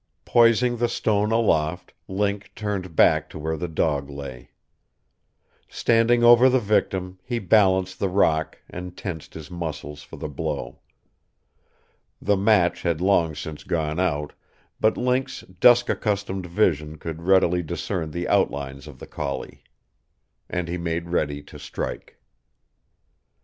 Poising the stone aloft, Link turned back to where the dog lay. Standing over the victim, he balanced the rock and tensed his muscles for the blow. The match had long since gone out, but Link's dusk accustomed vision could readily discern the outlines of the collie. And he made ready to strike.